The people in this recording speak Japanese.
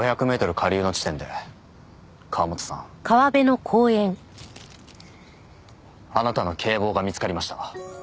下流の地点で河元さんあなたの警棒が見つかりました。